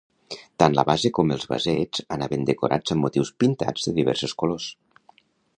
Tant la base com els vasets anaven decorats amb motius pintats de diversos colors.